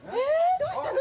どうしたの？